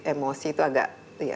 emosi itu agak